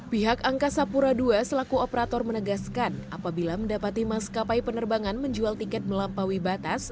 pihak angkasa pura ii selaku operator menegaskan apabila mendapati maskapai penerbangan menjual tiket melampaui batas